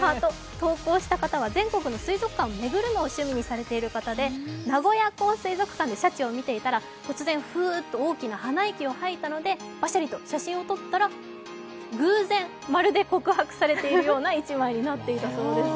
投稿した方は全国の水族館を巡るのを趣味にしている方で名古屋港水族館でシャチを見ていたら突然、フーッと大きな鼻息を吐いたのでばしゃりと写真と撮ったら偶然、まるで告白されているような一枚になっていたんです